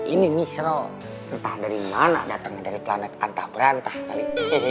ini misrael entah dari mana datangnya dari planet antah berantah kali